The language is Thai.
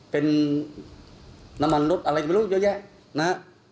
เป็นน้ำมันนมรถอะไรเอางามรถไม่รู้อยู่อย่างเยอะ